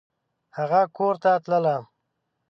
هغه کورته تلله !